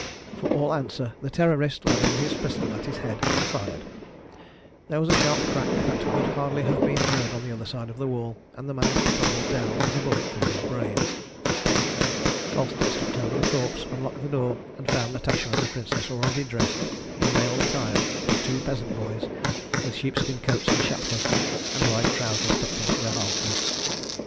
For all answer the Terrorist levelled his pistol at his head and fired. There was a sharp crack that could hardly have been heard on the other side of the wall, and the man tumbled down with a bullet through his brain. Colston stepped over the corpse, unlocked the door, and found Natasha and the Princess already dressed in male attire as two peasant boys, with sheepskin coats and shapkas, and wide trousers tucked into their half boots.